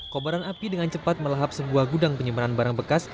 kobaran api dengan cepat melahap sebuah gudang penyimpanan barang bekas